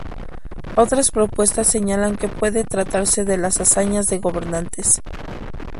Otras propuestas señalan que puede tratarse de las hazañas de gobernantes.